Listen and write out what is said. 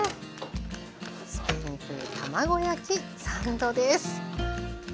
スペイン風卵焼きサンドです。